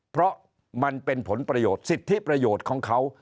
เพราะมันเป็นผลประโยชน์สิทธิประโยชน์ของเขา